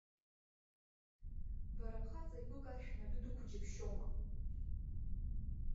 Бара бхаҵа игәы каршәны адәы дықәу џьыбшьома?